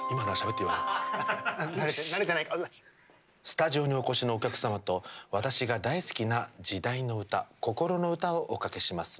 スタジオにお越しのお客様と私が大好きな時代の歌心の歌をおかけします。